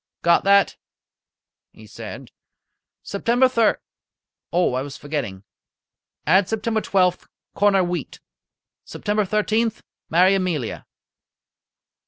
"Got that?" he said. "September thir Oh, I was forgetting! Add September twelfth, corner wheat. September thirteenth, marry Amelia."